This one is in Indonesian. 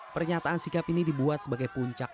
pernyataan sikap ini dibuat sebagai puncak